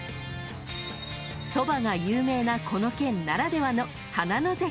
［そばが有名なこの県ならではの花の絶景］